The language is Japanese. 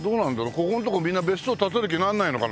ここの所みんな別荘建てる気にならないのかな？